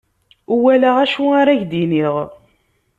Ur walaɣ acu ar ak-d-iniɣ.